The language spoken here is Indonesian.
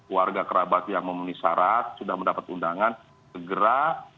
warga kerabat yang memenuhi syarat sudah mendapat undangan segera